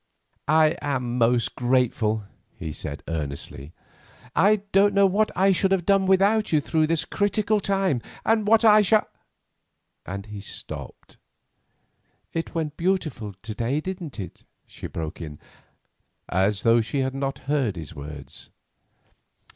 "I am most grateful," he said earnestly. "I don't know what I should have done without you through this critical time, or what I shall——" and he stopped. "It went beautifully to day, didn't it?" she broke in, as though she had not heard his words.